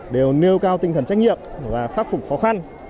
đều nêu cao tinh thần trách nhiệm và khắc phục khó khăn